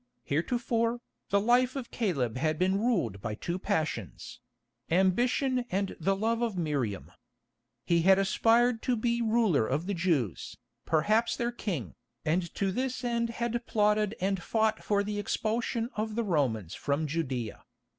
Heretofore, the life of Caleb had been ruled by two passions—ambition and the love of Miriam. He had aspired to be ruler of the Jews, perhaps their king, and to this end had plotted and fought for the expulsion of the Romans from Judæa.